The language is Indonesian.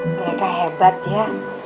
mereka hebat ya